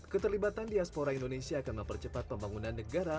keterlibatan diaspora indonesia akan mempercepat pembangunan negara